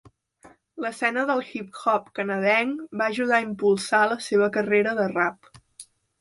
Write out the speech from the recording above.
L'escena del hip-hop canadenc va ajudar a impulsar la seva carrera de rap.